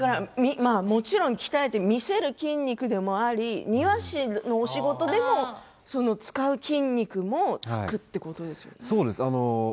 鍛えて見せる筋肉でもあり庭師のお仕事でも使う筋肉もつくということですね。